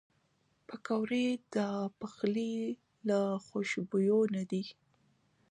پکورې د پخلي له خوشبویو نه دي